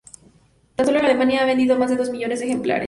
Tan solo en Alemania ha vendido más de dos millones de ejemplares.